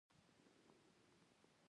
فکر مې د همت صاحب په مصیبت کې بند و.